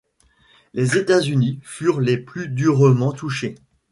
Les États-Unis furent les plus durement touchés.